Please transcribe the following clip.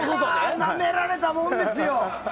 なめられたもんですよ！